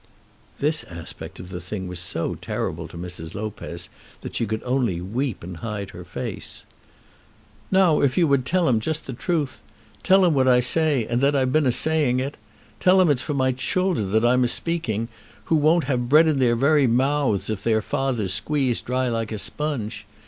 This aspect of the thing was so terrible to Mrs. Lopez that she could only weep and hide her face. "Now, if you would tell him just the truth! Tell him what I say, and that I've been a saying it! Tell him it's for my children I'm a speaking, who won't have bread in their very mouths if their father's squeezed dry like a sponge!